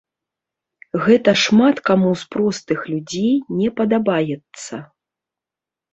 Гэта шмат каму з простых людзей не падабаецца.